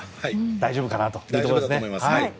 大丈夫かなというところですね。